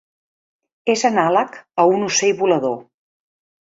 És anàleg a un ocell volador.